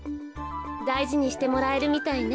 だいじにしてもらえるみたいね。